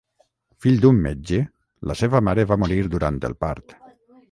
Fill d'un metge, la seva mare va morir durant el part.